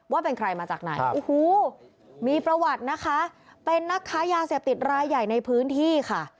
ว่าเป็นใครมาจากไหนโอ้โหมีประวัตินะคะเป็นนักค้ายาเสพติดรายใหญ่ในพื้นที่ค่ะ